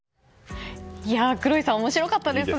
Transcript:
クロイさん面白かったですね。